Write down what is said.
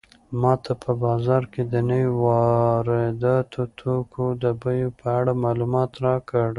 ماته په بازار کې د نويو وارداتي توکو د بیو په اړه معلومات راکړه.